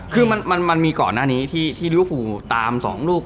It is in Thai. คือมันมีก่อนหน้านี้ที่ริวฟูตาม๒ลูก